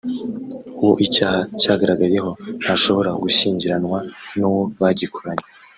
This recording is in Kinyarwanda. uwo icyaha cyagaragayeho ntashobora gushyingiranwa n’uwo bagikoranye